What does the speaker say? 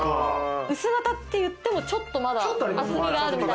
薄型っていってもちょっとまだ厚みがある。